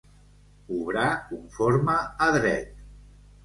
Obrar conforme a dret.